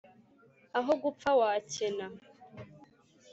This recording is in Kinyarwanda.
Aho gupfa wakena.